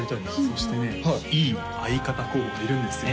そしてねいい相方候補がいるんですよ